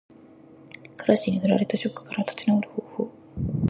彼氏に振られたショックから立ち直る方法。